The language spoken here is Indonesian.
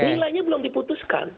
nilainya belum diputuskan